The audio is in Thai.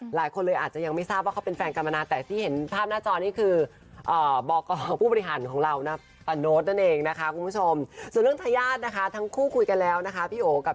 หลายคนเลยอาจจะยังไม่ทราบ